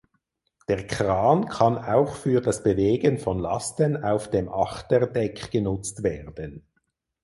Der Kran kann auch für das Bewegen von Lasten auf dem Achterdeck genutzt werden.